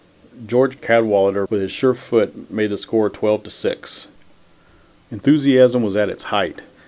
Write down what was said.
George Cadwalader with his sure right foot made the score 12 to 6. Enthusiasm was at its height.